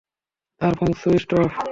তার phone switched of.